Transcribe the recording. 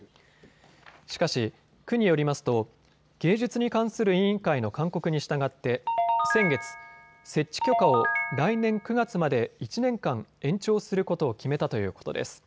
しかし区によりますと芸術に関する委員会の勧告に従って先月、設置許可を来年９月まで１年間、延長することを決めたということです。